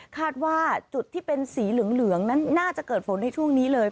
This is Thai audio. คาดว่าจุดที่เป็นสีเหลืองนั้นน่าจะเกิดฝนในช่วงนี้เลย